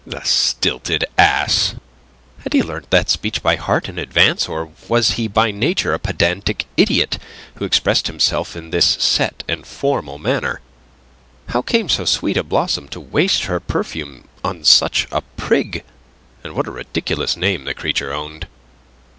The stilted ass! Had he learnt that speech by heart in advance, or was he by nature a pedantic idiot who expressed himself in this set and formal manner? How came so sweet a blossom to waste her perfumes on such a prig? And what a ridiculous name the creature owned!